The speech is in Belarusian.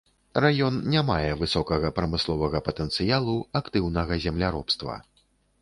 Раён не мае высокага прамысловага патэнцыялу, актыўнага земляробства.